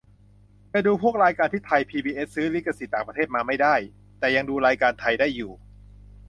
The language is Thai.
จะดูพวกรายการที่ไทยพีบีเอสซื้อลิขสิทธิ์ต่างประเทศมาไม่ได้ แต่ยังดูรายการไทยได้อยู่